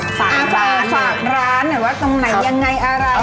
ฝากร้านนะหวะตรงนี้อย่างไร